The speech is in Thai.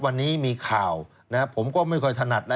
วันนี้มีข่าวผมก็ไม่ค่อยถนัดนะ